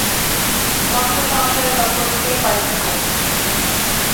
কষ্ট সংসারে সকলকেই পাইতে হয়।